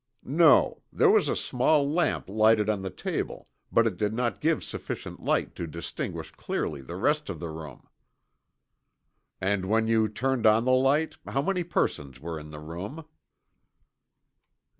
"No. There was a small lamp lighted on the table but it did not give sufficient light to distinguish clearly the rest of the room." "And when you turned on the light how many persons were in the room?"